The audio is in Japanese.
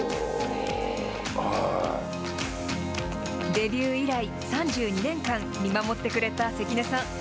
デビュー以来３２年間、見守ってくれた関根さん。